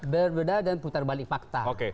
berbeda dengan putar balik fakta